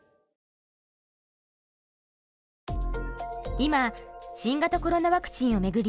今新型コロナワクチンを巡り